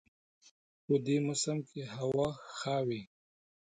په دې موسم کې هوا ښه وي